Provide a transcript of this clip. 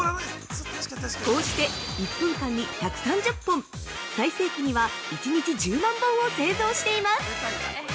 こうして１分間に１３０本、最盛期には１日１０万本を製造しています。